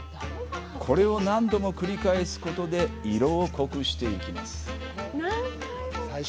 これを何度も繰り返すことで色を濃くしてきます。